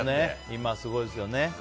今すごいですよね。